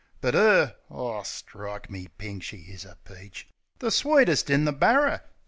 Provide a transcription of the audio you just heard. But, 'er! Oh, strike me pink! She is a peach! The sweetest in the barrer!